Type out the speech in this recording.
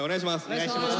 お願いします。